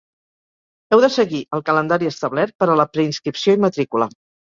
Heu de seguir el calendari establert per a la preinscripció i matrícula.